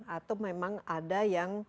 atau memang ada yang